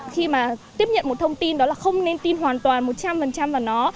khi mà tiếp nhận một thông tin đó là không nên tin hoàn toàn một trăm linh vào nó